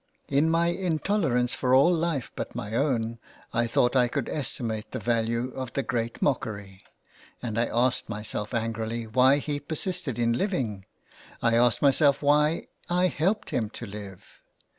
In my intolerance for all life but my own I thought I could estimate the value of the Great Mockery, and I asked myself angrily why he persisted in living. I asked myself why I helped him to live.